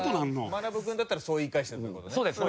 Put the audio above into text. まなぶ君だったらそう言い返してるって事ね。